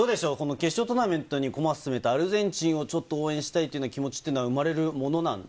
決勝トーナメントに駒を進めたアルゼンチンを応援したいという気持ちは生まれるもの